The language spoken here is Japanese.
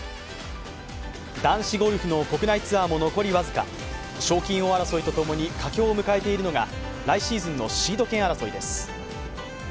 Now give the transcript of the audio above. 男子ゴルフの国内ツアーも残り僅か賞金王争いとともに佳境を迎えているのが来シーズンのシード権争いです。